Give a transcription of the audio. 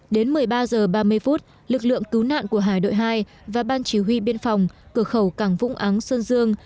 đến một mươi ba h ba mươi phút lực lượng cứu nạn của hải đội hai và ban chỉ huy biên phòng cửa khẩu cảng vũng áng sơn dương